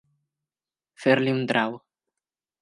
Fer-li un trau.